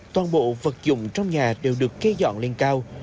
toàn bộ vật dụng trong nhà đều được kê dọn lên cao